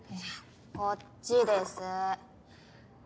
こっちです。